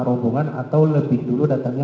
rombongan atau lebih dulu datangnya